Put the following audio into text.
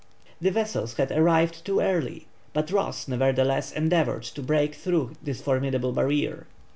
The vessels had arrived too early, but Ross, nevertheless, endeavoured to break through this formidable barrier.